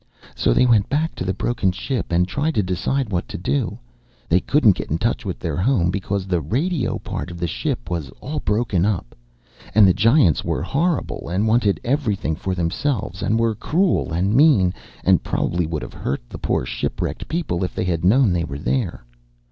"So they went back to the broken ship and tried to decide what to do. They couldn't get in touch with their home because the radio part of the ship was all broken up. And the giants were horrible and wanted everything for themselves and were cruel and mean and probably would have hurt the poor ship wrecked people if they had known they were there.